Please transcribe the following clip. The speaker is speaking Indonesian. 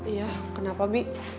iya kenapa bi